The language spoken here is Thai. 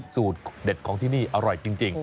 สูตรเด็ดของที่นี่อร่อยจริง